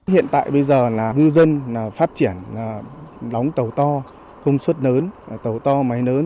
hiện tại bây giờ là ngư dân phát triển đóng tàu to công suất lớn tàu to máy lớn